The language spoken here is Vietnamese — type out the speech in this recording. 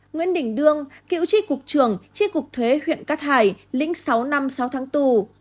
nguyễn đình đương cựu tri cục trường tri cục thuế huyện cát hải lĩnh sáu năm sáu tháng tù